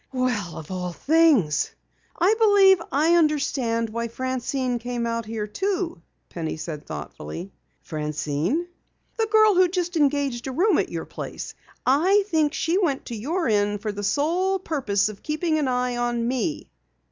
"Well, of all things!" "I believe I understand why Francine came out here too," Penny said thoughtfully. "Francine?" "The girl who just engaged a room at your place. I think she went to your Inn for the sole purpose of keeping an eye on me."